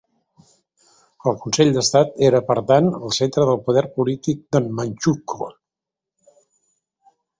El Consell d'Estat era, per tant, el centre del poder polític en Manchukuo.